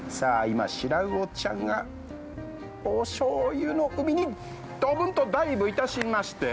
今、白魚ちゃんがおしょうゆの海にドブンとダイブいたしまして。